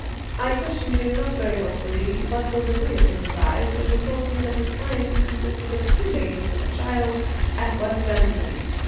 I questioned him not very hopefully, but was agreeably surprised when he told me that his clients consisted of two ladies with a child, and one gentleman.